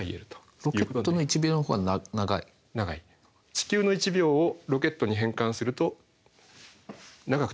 地球の１秒をロケットに変換すると長く対応する。